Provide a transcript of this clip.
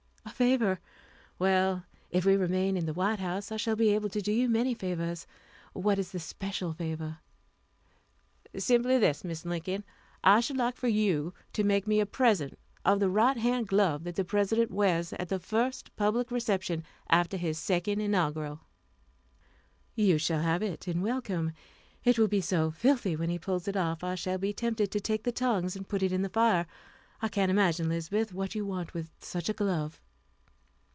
"A favor! Well, if we remain in the White House I shall be able to do you many favors. What is the special favor?" "Simply this, Mrs. Lincoln I should like for you to make me a present of the right hand glove that the President wears at the first public reception after his second inaugural." "You shall have it in welcome. It will be so filthy when he pulls it off, I shall be tempted to take the tongs and put it in the fire. I cannot imagine, Lizabeth, what you want with such a glove."